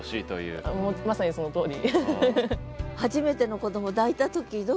まさにそのとおり。